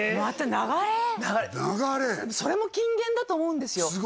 それも金言だと思うんですよ